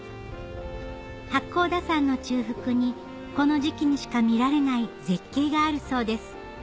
八甲田山の中腹にこの時期にしか見られない絶景があるそうです